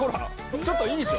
ちょっといいでしょ。